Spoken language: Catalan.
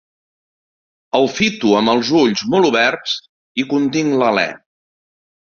El fito amb els ulls molt oberts i continc l'alè.